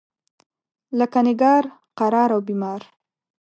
لکه نګار، قرار او بیمار.